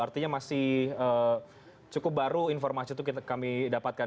artinya masih cukup baru informasi itu kami dapatkan